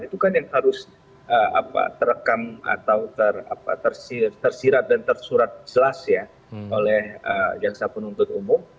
itu kan yang harus terekam atau tersirat dan tersurat jelas ya oleh jaksa penuntut umum